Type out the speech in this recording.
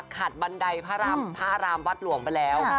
บันไดพระอารามวัดหลวงไปแล้ว